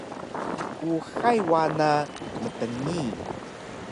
Uxay wana mtngi